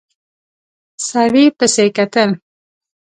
سړي پسې کتل.